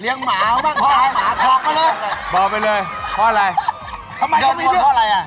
เลี้ยงหมาเขาบ้างพอให้หมาคอกมาเลยบอกไปเลยพออะไรทำไมก็มีเรื่องเพราะอะไรอ่ะ